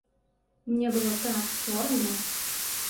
Мне было так сорамна.